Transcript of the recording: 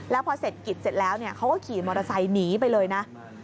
แล้วพอเสร็จกิจเสร็จแล้วเขาก็ขี่มอเตอร์ไซค์หนีไปเลยนะ